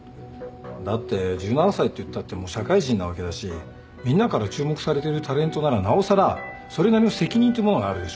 だって１７歳っていったってもう社会人なわけだしみんなから注目されてるタレントならなおさらそれなりの責任ってものがあるでしょ。